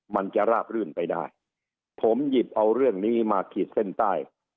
มันจะราบรื่นไปได้ผมหยิบเอาเรื่องนี้มาขีดเส้นใต้